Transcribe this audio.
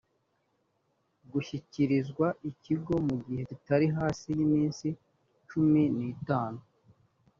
gushyikirizwa ikigo mu gihe kitari hasi y iminsi cumi n itanu